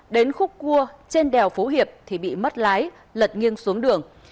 đến khúc cua trên đèo phú hiệp thì bị mất lái lật nghiêng xuống đường